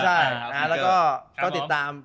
ใช่แล้วก็ติดตาม